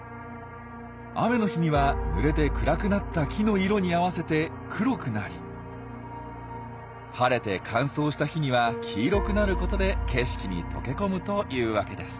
雨の日にはぬれて暗くなった木の色に合わせて黒くなり晴れて乾燥した日には黄色くなることで景色に溶け込むというわけです。